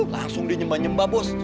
langsung dia nyembah nyembah bos